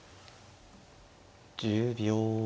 １０秒。